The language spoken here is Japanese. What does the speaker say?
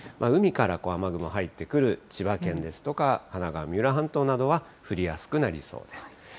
海から雨雲、入ってくる千葉県ですとか、神奈川・三浦半島などは、降りやすくなりそうです。